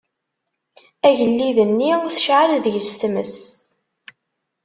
Agellid-nni, tecɛel deg-s tmes.